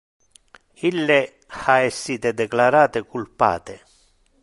Ille ha essite declarate culpate.